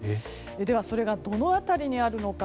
では、それがどの辺りにあるのか。